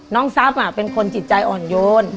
น้องซับเป็นคนจิตใจอ่อนโยน